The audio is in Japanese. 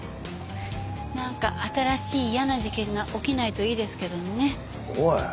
なんか新しい嫌な事件が起きないといいですけどね。